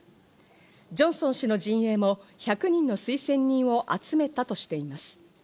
ジョンソン氏の陣営も１００人の推薦人を集めたとしています。